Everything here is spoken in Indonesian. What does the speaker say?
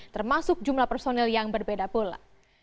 termasuk jumlah personil yang berbeda pula